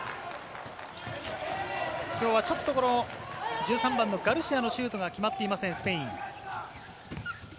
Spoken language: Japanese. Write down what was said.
今日はちょっと１３番のガルシアのシュートが決まっていません、スペイン。